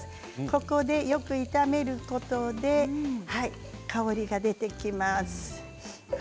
ここでよく炒めることで香りが出てきます。